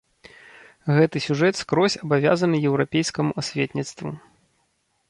Гэты сюжэт скрозь абавязаны еўрапейскаму асветніцтву.